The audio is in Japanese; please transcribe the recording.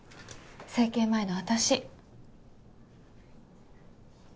整形前の私。